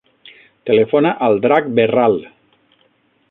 Telefona al Drac Berral.